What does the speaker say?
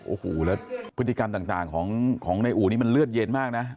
โอ้โหแล้วพฤติกรรมต่างของในอู่นี้มันเลือดเย็นมากนะ